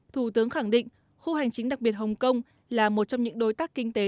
thủ tướng khẳng định khu hành chính đặc biệt hồng kông là một trong những đối tác kinh tế